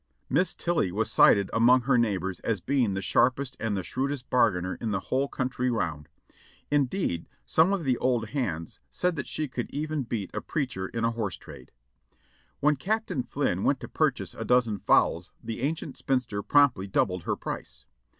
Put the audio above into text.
"Miss Tilly was cited among her neighbors as being the sharpest and the shrewdest bargainer in the whole country round; indeed private: i^ambert's shot 569 some of the old hands said that she could even beat a preacher in a horse trade. "When Captain Flynn went to purchase a dozen fowls the an cient spinster promptly doubled her price.